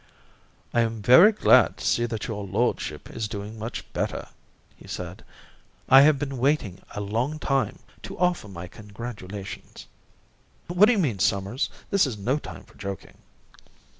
"I am very glad to see that your lordship is so much better," said he. "I have been waiting a long time to offer my congratulations." "What do you mean, Summers? This is no time for joking."